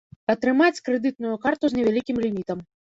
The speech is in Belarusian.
Атрымаць крэдытную карту з невялікім лімітам.